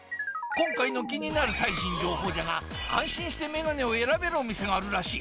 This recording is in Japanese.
今回の気になる最新情報じゃが安心してメガネを選べるお店があるらしい。